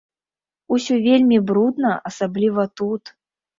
Усё вельмі брудна, асабліва тут.